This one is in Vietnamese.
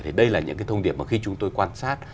thì đây là những cái thông điệp mà khi chúng tôi quan sát